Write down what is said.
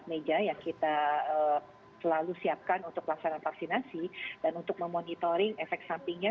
meja yang kita selalu siapkan untuk pelaksanaan vaksinasi dan untuk memonitoring efek sampingnya